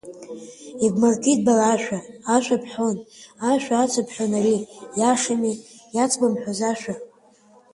Иабымыркит бара ашә, ашәа бҳәон, ашәа ацыбҳәон ари, иашами, иацбымҳәоз ашәа?